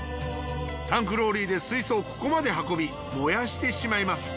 タンクローリーで水素をここまで運び燃やしてしまいます。